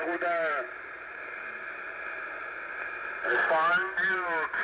３９。